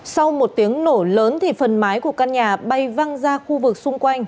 sau một tiếng nổ lớn phần máy của căn nhà bay văng ra khu vực xung quanh